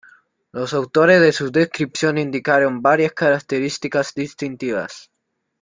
Los autores de su descripción indicaron varias características distintivas.